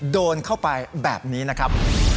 โดนเข้าไปแบบนี้นะครับ